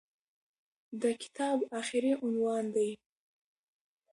د کتاب اخري عنوان دى.